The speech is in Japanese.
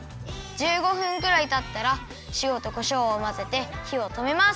１５分ぐらいたったらしおとこしょうをまぜてひをとめます。